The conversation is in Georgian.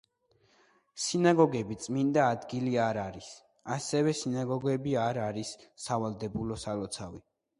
სინაგოგები წმინდა ადგილი არ არის, ასევე სინაგოგა არ არის სავალდებულო სალოცავი.